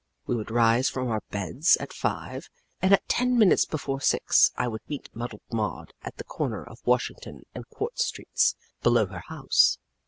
We would rise from our beds at five, and at ten minutes before six I would meet Muddled Maud at the corner of Washington and Quartz streets, below her house.